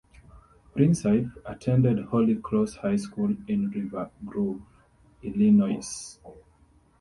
Principe attended Holy Cross High School in River Grove, Illinois.